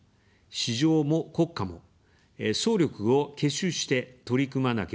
「市場も国家も」、総力を結集して取り組まなければなりません。